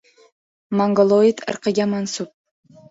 Mongoloid irqiga mansub.